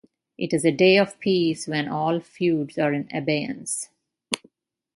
It is a day of peace when all feuds are in abeyance.